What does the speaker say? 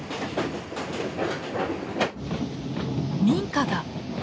民家だ。